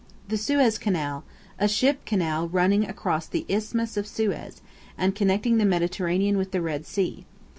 The Suez Canal, a ship canal running across the Isthmus of Suez, and connecting the Mediterranean with the Red Sea.